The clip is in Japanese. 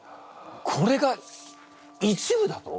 これが一部だと！？